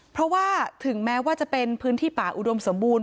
เพราะว่าถึงแม้ว่าจะเป็นพื้นที่ป่าอุดมสมบูรณ